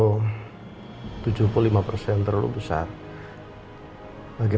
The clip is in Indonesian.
walaupun sebentar lagi